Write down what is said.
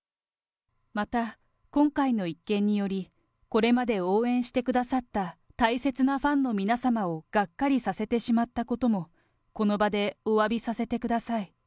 また、今回の一件により、これまで応援してくださった大切なファンの皆様をがっかりさせてしまったことも、この場でおわびさせてください。